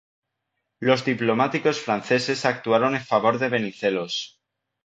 Los diplomáticos franceses actuaron en favor de Venizelos.